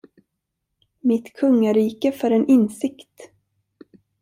Mitt kungarike för en insikt!